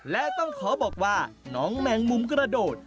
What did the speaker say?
และต้องขอบอกว่าน้องแมงมุมกระโดด